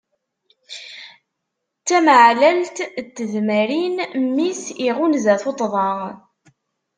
D tameɛlalt n tedmarin mmi-s iɣunza tuṭṭḍa.